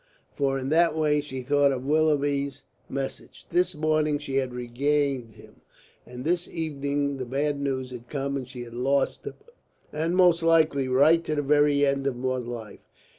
For in that way she thought of Willoughby's message. This morning she had regained him, and this evening the bad news had come and she had lost him, and most likely right to the very end of mortal life.